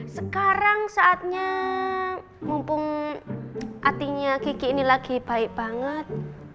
sekarang saatnya mumpung atinya kiki ini lagi baik banget